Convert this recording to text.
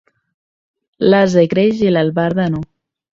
L'ase creix i l'albarda no.